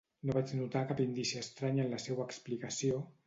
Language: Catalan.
No vaig notar cap indici estrany en la seua explicació...